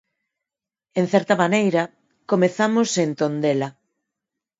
En certa maneira, comezamos en Tondela.